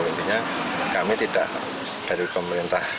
intinya kami tidak dari pemerintah